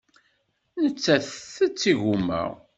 Nettat tettett igumma.